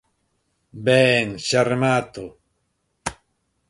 Ben, xa remato.